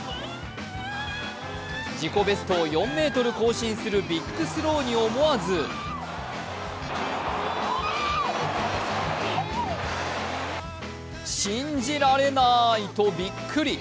自己ベストを４ｍ更新するビッグスローに思わず信じられなーい！とビックリ。